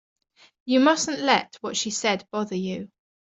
You mustn't let what she said bother you.